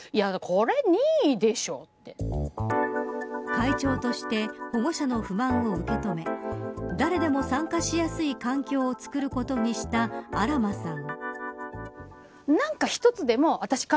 会長として保護者の不満を受け止め誰でも参加しやすい環境を作ることにしたあら馬さん。